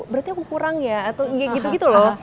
berarti aku kurang ya atau nggak gitu gitu loh